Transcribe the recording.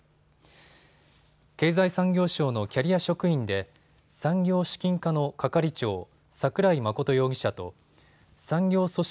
経済産業省のキャリア職員で産業資金課の係長、櫻井眞容疑者と産業組織